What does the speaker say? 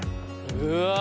うわ！